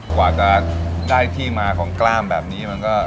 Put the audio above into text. กว่าจะได้ที่มาของกล้ามแบบนี้มันก็